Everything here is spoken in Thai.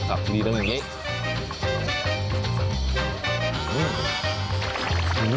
อัพมีด้วยแบบนี้